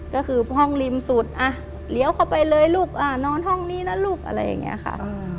ก็คือห้องริมสุดเลี้ยวเข้าไปเลยลูกนอนห้องนี้นะลูกอะไรอย่างนี้ค่ะ